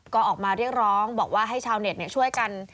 ก็ออกมาเรียกร้องบอกว่าให้ชาวเน็ตช่วยกัน